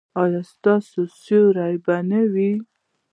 ایا ستاسو سیوری به نه وي؟